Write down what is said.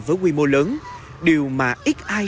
với quy mô lớn điều mà ít ai